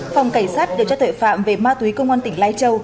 phòng cảnh sát đều cho tuệ phạm về ma túy công an tỉnh lai châu